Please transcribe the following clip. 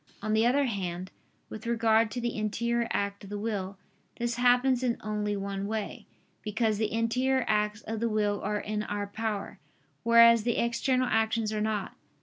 On the other hand, with regard to the interior act of the will, this happens in only one way: because the interior acts of the will are in our power, whereas the external actions are not.